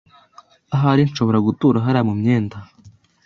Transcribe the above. Ahari nshobora gutura hariya mumyenda